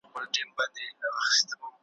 نه بارونه د چا وړې نه به نوکر یې `